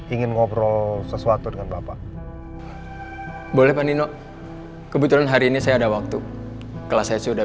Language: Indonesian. ingin ngobrol sesuatu dengan bapak boleh pak nino kebetulan hari ini saya ada waktu kelas saya sudah